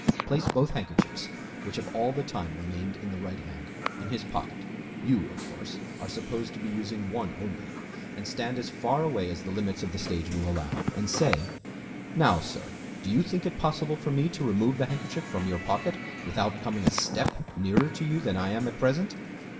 Place both handkerchiefs, which have all the time remained in the right hand, in his pocket (you, of course, are supposed to be using one only), and stand as far away as the limits of the stage will allow, and say:—"Now, sir, do you think it possible for me to remove the handkerchief from your pocket without coming a step nearer to you than I am at present?"